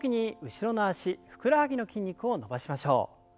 後ろの脚ふくらはぎの筋肉を伸ばします。